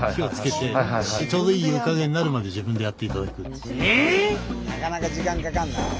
しかしなかなか時間かかるな。